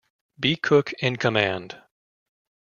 B. Cook in command.